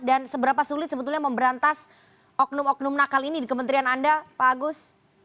dan seberapa sulit sebetulnya memberantas oknum oknum nakal ini di kementerian anda pak agus